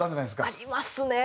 ありますね。